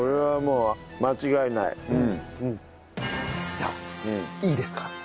さあいいですか？